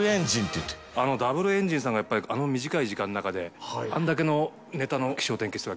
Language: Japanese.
Ｗエンジンさんがやっぱりあの短い時間の中であんだけの。